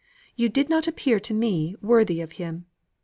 You did not appear to me worthy of him.